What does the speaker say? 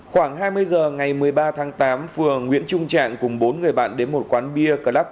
khoảng hai mươi h ngày một mươi ba tháng tám phường nguyễn trung trạng cùng bốn người bạn đến một quán bia club